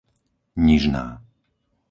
Nižná